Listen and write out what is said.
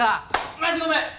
マジごめん。